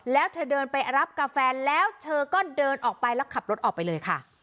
แล้วเธอเดินไปรับกาแฟแล้วเธอก็เดินออกไปแล้วขับรถออกไปเลยค่ะ